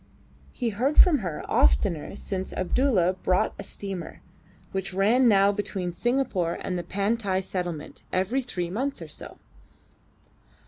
He heard from her oftener since Abdulla bought a steamer, which ran now between Singapore and the Pantai settlement every three months or so.